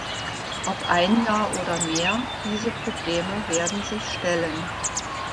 Ob ein Jahr oder mehr, diese Probleme werden sich stellen.